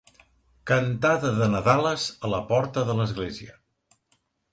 Cantada de Nadales a la porta de l'església.